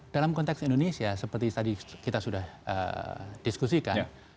dalam konteks indonesia seperti tadi kita sudah diskusikan